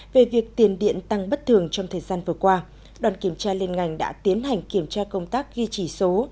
về việc tiền điện tăng bất thường trong thời gian vừa qua đoàn kiểm tra liên ngành đã tiến hành kiểm tra công tác ghi chỉ số